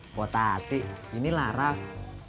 buat hati ini laras